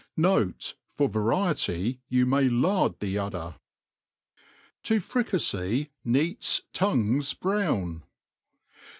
Note, for variety you may lard the udder* Xo frictifey Ntats Tingues brown.